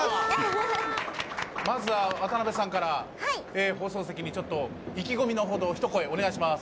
まずは渡部さんから放送席にちょっと意気込みのほどを一言お願いします。